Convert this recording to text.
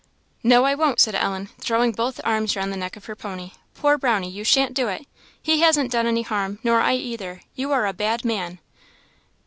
"No, I won't," said Ellen, throwing both arms round the neck of her pony; "poor Brownie! you shan't do it. He hasn't done any harm, nor I either; you are a bad man!"